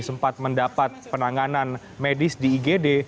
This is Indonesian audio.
sempat mendapat penanganan medis di igd